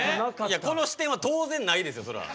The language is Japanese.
いやこの視点は当然ないですよそれは。